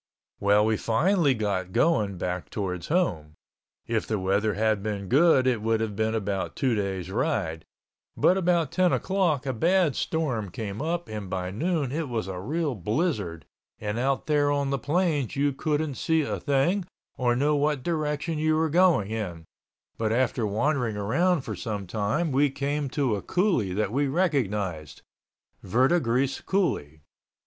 Well, we finally got going back towards home. If the weather had been good it would have been about two day's ride, but about ten o'clock a bad storm came up and by noon it was a real blizzard and out there on the plains you couldn't see a thing or know what direction you were going in, but after wandering around for some time we came to a coulee that we recognized (Verta Grease Coulee).